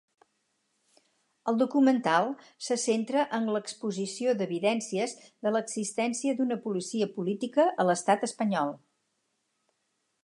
El documental se centra en l'exposició d'evidències de l'existència d'una policia política a l'Estat Espanyol.